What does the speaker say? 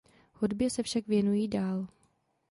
Hudbě se však věnují dál.